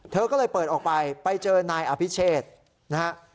เธอก็เลยเปิดออกไปไปเจอนายอภิเชษนะฮะ